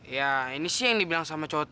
ya ini sih yang dibilang sama cowok tadi